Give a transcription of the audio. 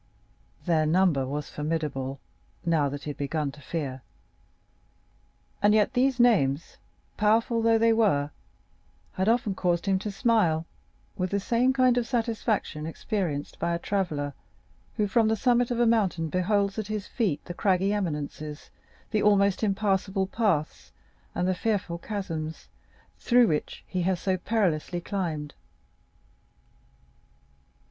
Their number was formidable, now that he had begun to fear, and yet these names, powerful though they were, had often caused him to smile with the same kind of satisfaction experienced by a traveller who from the summit of a mountain beholds at his feet the craggy eminences, the almost impassable paths, and the fearful chasms, through which he has so perilously climbed.